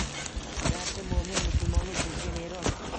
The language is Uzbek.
Garchi moʼmin-musulmonlik bizga meros